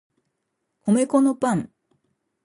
米粉のパン